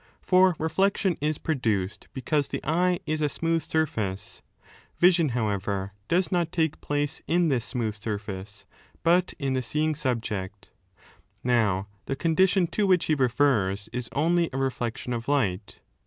For reflection is produced because the eye is a smooth surface; vision, however, does not take place in this smooth surface but in the seeing subject. Now, the condition to which he refers is only a reflection of light.